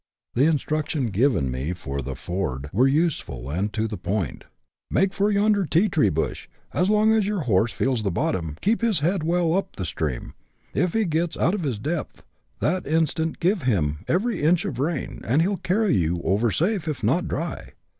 The instructions given me for the ford were useful and to the point :" Make for yonder tea tree bush ; as long as your horse feels the bottom, keep his head well ' up the stream ;' if he gets out of his depth, that instant give him every inch of rein, and he '11 carry you over safe, if not dry."